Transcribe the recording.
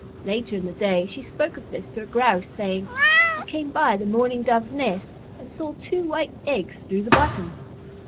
Later in the day, she spoke of this to a Grouse, saying, "I came by the Mourning Doves' nest and saw two white eggs through the bottom."